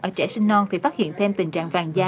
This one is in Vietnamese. ở trẻ sinh non thì phát hiện thêm tình trạng vàng da